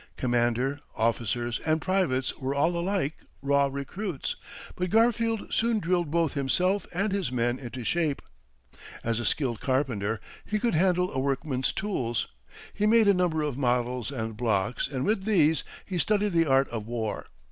Commander, officers, and privates were all alike, raw recruits; but Garfield soon drilled both himself and his men into shape. As a skilled carpenter, he could handle a workman's tools. He made a number of models and blocks, and with these he studied the art of war.